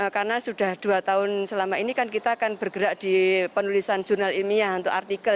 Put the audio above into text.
karena sudah dua tahun selama ini kan kita akan bergerak di penulisan jurnal ilmiah untuk artikel